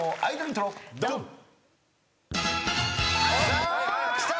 さあきた。